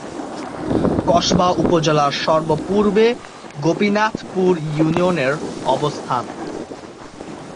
কসবা উপজেলার সর্ব-পূর্বে গোপীনাথপুর ইউনিয়নের অবস্থান।